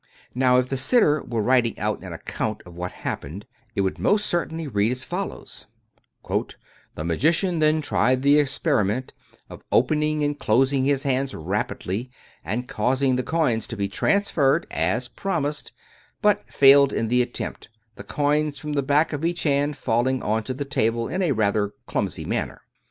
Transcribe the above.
Now, if the sitter were writing out an account of what happened, it would most certainly read as follows: "The magician /then tried the experiment— of opening and closing his hands rapidly, and causing the coin to be transferred, as promised — but failed in the attempt, the coins from the back of each hand falling on to the table 287 True Stories of Modern Magic in father a clumsy manner.